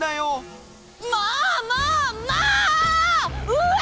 うわ！